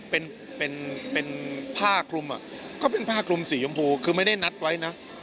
พ่อลดเข็นเป็นผ้ากลุ่มเป็นผ้ากลุ่มสีชมพูคือไม่ได้นัดไว้นะ